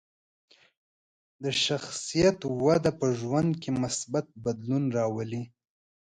د شخصیت وده په ژوند کې مثبت بدلون راولي.